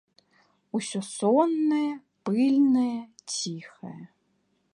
Усё соннае, пыльнае, ціхае.